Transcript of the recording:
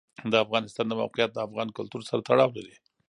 د افغانستان د موقعیت د افغان کلتور سره تړاو لري.